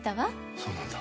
そうなんだ。